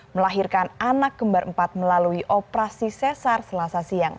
melahirkan anak kembar empat melalui operasi sesar selasa siang